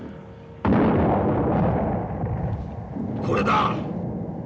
これだ！